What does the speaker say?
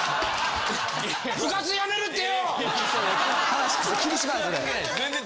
部活やめるってよ。